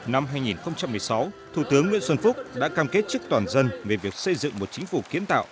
năm hai nghìn một mươi sáu thủ tướng nguyễn xuân phúc đã cam kết trước toàn dân về việc xây dựng một chính phủ kiến tạo